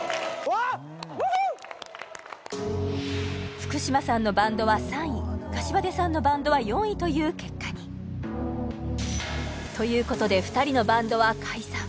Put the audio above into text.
福嶌さんのバンドは３位膳さんのバンドは４位という結果にということで２人のバンドは解散